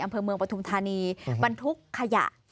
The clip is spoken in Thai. อำเภอเมืองปฐุมธานีบรรทุกขยะ